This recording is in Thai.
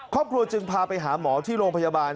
ครอบครัวจึงพาไปหาหมอที่โรงพยาบาล